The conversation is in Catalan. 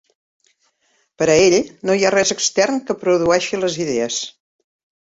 Per a ell, no hi ha res extern que produeixi les idees.